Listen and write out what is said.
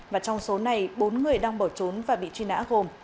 và trong số này bốn người đang bỏ trốn và bị truy nã gồm